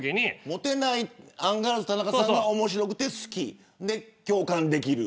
もてないアンガールズ田中さんが面白くて好きで共感できる。